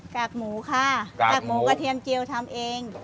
กหมูค่ะกากหมูกระเทียมเจียวทำเอง